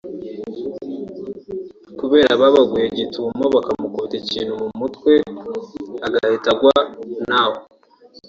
kubera babaguye gitumo bakamukubita ikintu mu mutwe agahita agwa naho